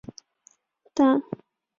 但噶厦未恢复其呼图克图封号。